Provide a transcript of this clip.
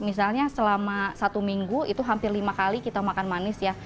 misalnya selama satu minggu itu hampir lima kali kita makan manis ya